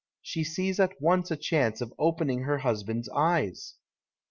She sees at once a chance of oj)ening her husband's eyes.